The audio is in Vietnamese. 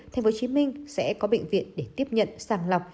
tp hcm sẽ có bệnh viện để tiếp nhận sàng lọc